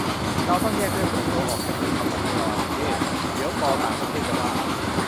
เราต้องแยกเรื่องส่วนตัวออกจากเรื่องความสัมพันธ์ระหว่างเพศ เดี๋ยวก.ต่างประเทศจะว่าเอา